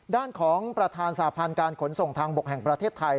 ด้านของประธานสาพันธ์การขนส่งทางบกแห่งประเทศไทย